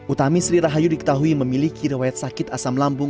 utami sri rahayu diketahui memiliki rewayat sakit asam lambung